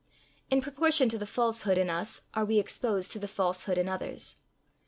In proportion to the falsehood in us are we exposed to the falsehood in others.